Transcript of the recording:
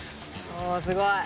おおすごい。